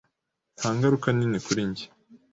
Nta ngaruka nini kuri njye.